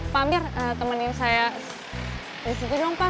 pak amir temenin saya disitu dong pak